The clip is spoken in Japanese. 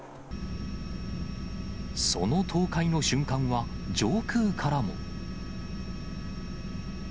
その倒壊の瞬間は、上空からも。